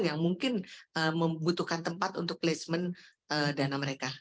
yang mungkin membutuhkan tempat untuk placement dana mereka